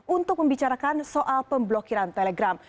untuk membicarakan soal pemblokiran telegram